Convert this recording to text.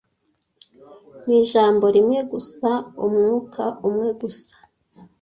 nijambo rimwe gusa umwuka umwe gusa